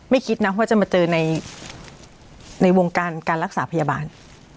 คิดนะว่าจะมาเจอในวงการการรักษาพยาบาล